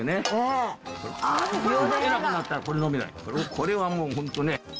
これはもうホントね。